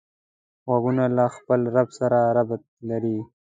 غوږونه له خپل رب سره رابط لري